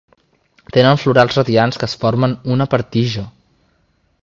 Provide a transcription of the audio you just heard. Tenen florals radiants que es formen una per tija.